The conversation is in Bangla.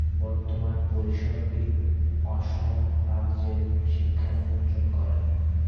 বর্তমান পরিষদটি অসম রাজ্যের শিক্ষা নিয়ন্ত্রণ করে।